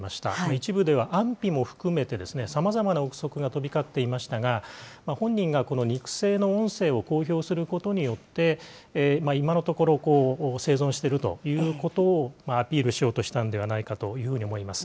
一部では安否も含めて、さまざまな憶測が飛び交っていましたが、本人が肉声の音声を公表することによって、今のところ、生存しているということをアピールしようとしたんではないかというふうに思います。